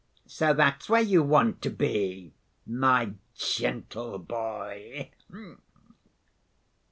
"H'm!... So that's where you want to be, my gentle boy?"